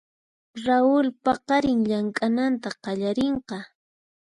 Raul paqarin llamk'ananta qallarinqa.